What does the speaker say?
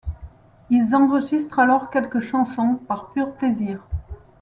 Ils enregistrent alors quelques chansons, par pur plaisir.